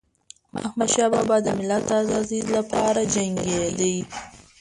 احمدشاه بابا د ملت د ازادی لپاره جنګيده.